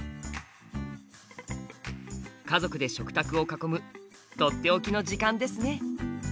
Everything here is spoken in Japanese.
家族で食卓を囲むとっておきの時間ですね。